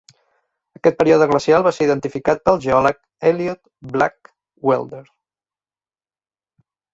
Aquest període glacial va ser identificat pel geòleg Eliot Blackwelder.